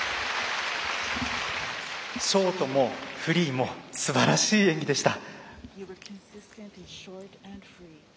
ショートも、フリーもすばらしい演技でした。